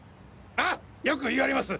よく言われます。